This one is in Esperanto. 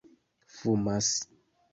fumas